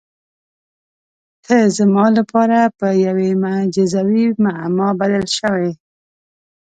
ته زما لپاره په یوې معجزوي معما بدل شوې.